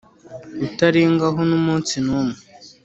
utarengaho n’umunsi n’umwe,